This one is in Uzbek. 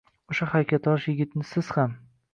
O’sha haykaltarosh yigitni siz ham